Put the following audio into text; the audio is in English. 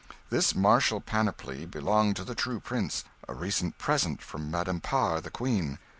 This martial panoply belonged to the true prince a recent present from Madam Parr the Queen.